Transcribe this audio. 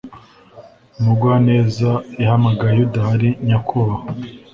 Umugwaneza yahamagaye udahari, nyakubahwa.